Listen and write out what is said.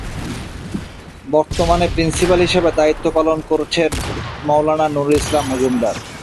বর্তমানে প্রিন্সিপাল হিসাবে দায়িত্ব পালন করছেন মাওলানা নুরুল ইসলাম মজুমদার।